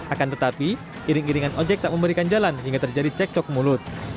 akan tetapi iring iringan ojek tak memberikan jalan hingga terjadi cekcok mulut